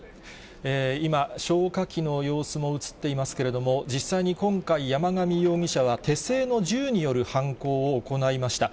今、消火器の様子も映っていますけれども、実際に今回、山上容疑者は、手製の銃による犯行を行いました。